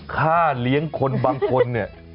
ค่าเลี้ยงคนบางคนเนี่ย